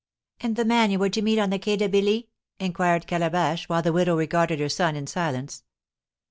"And the man you were to meet on the Quai de Billy?" inquired Calabash, while the widow regarded her son in silence.